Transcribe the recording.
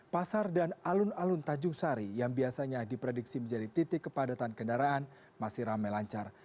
pasar dan alun alun tanjung sari yang biasanya diprediksi menjadi titik kepadatan kendaraan masih ramai lancar